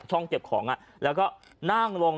ช่องเจ็บของอะแล้วก็นั่งลอง